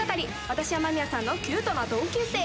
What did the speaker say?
私は間宮さんのキュートな同級生。